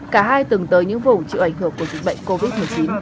cả hai từng tới những vùng chịu ảnh hưởng của dịch bệnh covid một mươi chín